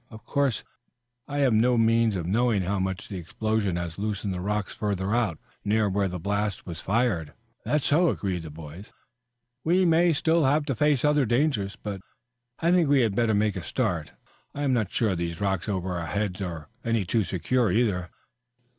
"Of course, I have no means of knowing how much the explosion has loosened the rocks further out, near where the blast was fired." "That's so," agreed the boys. "We may have to face still other dangers, but I think we had better make a start. I am not sure that these rocks over our heads are any too secure, either.